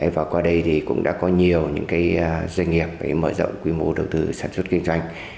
và qua đây thì cũng đã có nhiều những doanh nghiệp mở rộng quy mô đầu tư sản xuất kinh doanh